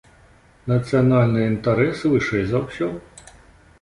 Нацыянальныя інтарэсы вышэй за ўсё.